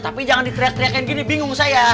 tapi jangan diteriak teriakin gini bingung saya